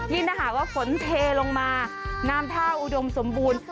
ถ้าหากว่าฝนเทลงมาน้ำท่าอุดมสมบูรณ์